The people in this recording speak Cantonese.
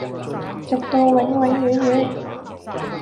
直到永永遠遠！